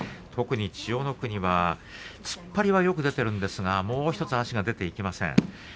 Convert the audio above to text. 特に千代の国の突っ張りはよく出ているんですがもうひとつ足が出ていきません。